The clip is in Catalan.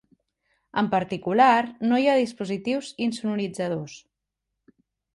En particular, no hi ha dispositius insonoritzadors.